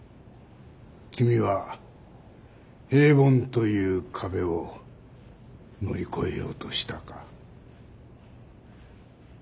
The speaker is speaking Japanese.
君は平凡という壁を乗り越えようとしたか？